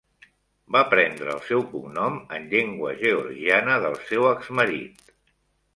Va prendre el seu cognom en llengua georgiana del seu exmarit.